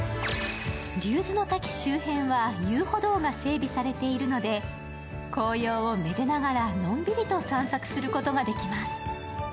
竜頭ノ滝周辺は遊歩道が整備されているので紅葉をめでながらのんびりと散策することができます。